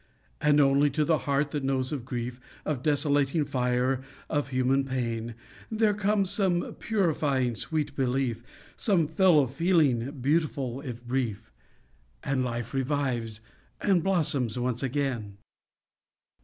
And only to the heart that knows of grief, Of desolating fire, of human pain, There comes some purifying sweet belief, Some fellow feeling beautiful, if brief. And life revives, and blossoms once again.